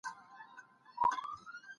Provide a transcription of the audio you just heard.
سوچه پښتو د عقل او پوهي نښه ده